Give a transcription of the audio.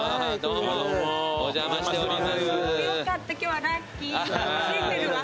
どうもお邪魔しております。